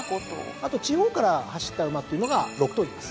あと地方から走った馬っていうのが６頭います。